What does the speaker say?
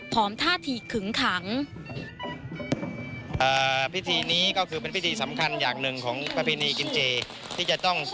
พร้อมท่าที่ขึงขัง